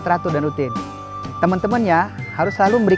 kenapa kamu ajeng iya kan tadi udah